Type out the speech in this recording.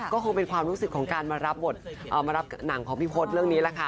ก็คงเป็นความรู้สึกของการมารับบทมารับหนังของพี่พศเรื่องนี้แหละค่ะ